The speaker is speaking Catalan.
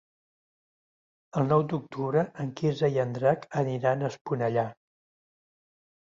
El nou d'octubre en Quirze i en Drac aniran a Esponellà.